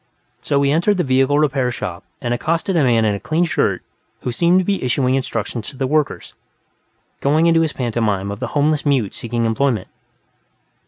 So he entered the vehicle repair shop and accosted a man in a clean shirt who seemed to be issuing instructions to the workers, going into his pantomime of the homeless mute seeking employment.